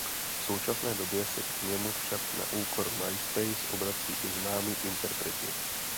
V současné době se k němu však na úkor mySpace obrací i známí interpreti.